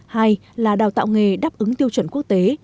hai là đào tạo nghề đáp ứng tiêu chuẩn quốc tế